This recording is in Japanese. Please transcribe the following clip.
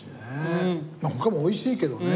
他も美味しいけどね。